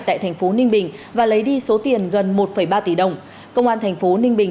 tại thành phố ninh bình và lấy đi số tiền gần một ba tỷ đồng công an thành phố ninh bình